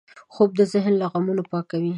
خوب د ذهن له غمونو پاکوي